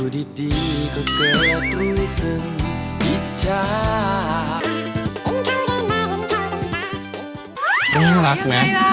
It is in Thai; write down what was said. นี่รักไหม